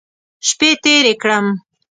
شپې تېرې کړم.